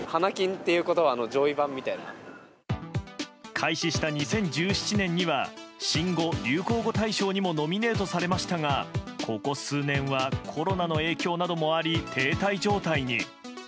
開始した２０１７年には新語・流行語大賞にもノミネートされましたがここ数年はコロナの影響などもあり停滞状態に。